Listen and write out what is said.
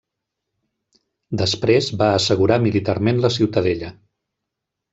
Després va assegurar militarment la ciutadella.